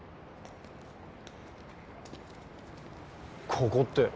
ここって。